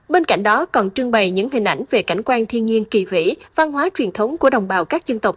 bên cạnh đó còn trưng bày những hình ảnh về cảnh quan thiên nhiên kỳ vĩ văn hóa truyền thống của đồng bào các dân tộc